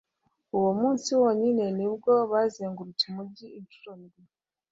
uwo munsi wonyine ni bwo bazengurutse umugi incuro ndwi